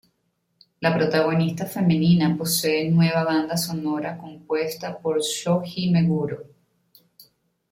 La protagonista femenina posee nueva banda sonora compuesta por Shoji Meguro.